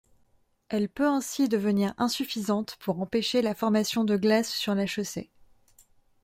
Elle peut ainsi devenir insuffisante pour empêcher la formation de glace sur la chaussée.